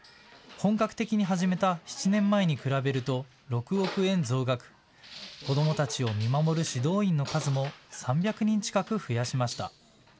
本格的に始めた７年前に比べると６億円増額、子どもたちを見守る指導員の数も３００人近く増やしました。